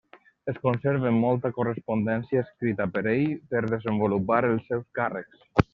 Es conserven molta correspondència escrita per ell per desenvolupar els seus càrrecs.